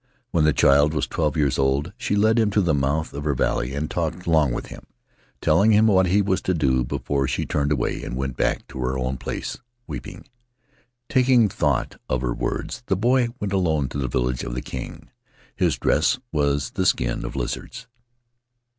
When the child was twelve years old she led him to the mouth of her valley and talked long with him, telling him what he was to do, before she turned away and went back to her own place, weeping. Taking thought of her words, the boy went alone to the village of the king. His dress was the skin of lizards.